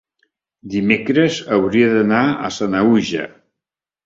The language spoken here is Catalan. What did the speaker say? dimecres hauria d'anar a Sanaüja.